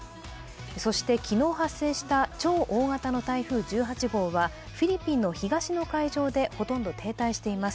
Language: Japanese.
そして、昨日発生した超大型の台風１８号は、フィリピンの東の海上でほとんど停滞しています。